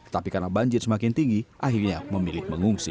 tapi karena banjir semakin tinggi akhirnya memilih mengungsi